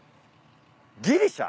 ギリシャ？